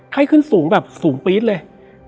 ไข้ขึ้นสูงแบบสูงปี๊ดเลย